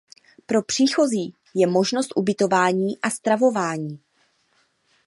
Pro příchozí je možnost ubytování a stravování.